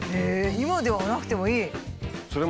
今ではなくてもいい？